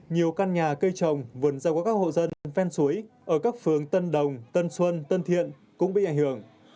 nhiều căn nhà cây trồng vườn rau của các hộ dân ven suối ở các phường tân đồng tân xuân tân thiện cũng bị ảnh hưởng